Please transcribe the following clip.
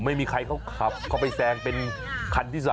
ไม่มีใครเขาขับเข้าไปแซงเป็นคันที่๓